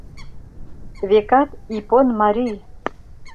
Векат, Ипон марий...